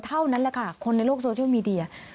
เท่านั้นแหละค่ะคนในโลกโซเชียลมีเดีย